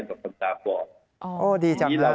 กับคนตาบ่อโอ้ดีจังหรือ